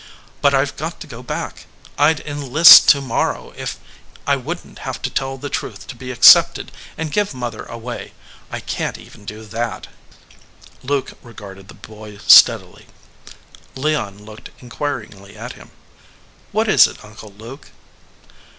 But I ve got to go back. I d enlist to morrow if I wouldn t have to tell the truth to be accepted, and give mother away. I can t even da that." 176 THE LIAR Luke regarded the boy steadily. Leon looked inquiringly at him. "What is it, Uncle Luke?"